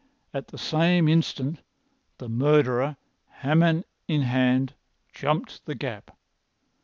At the same instant the murderer, hammer in hand, jumped the gap.